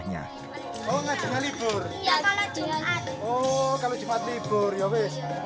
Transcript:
oh kalau jumat libur yaudah